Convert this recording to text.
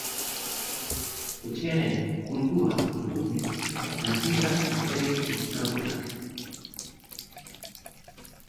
Etxearen kultua badute, eta ez dira batere euskaldunak.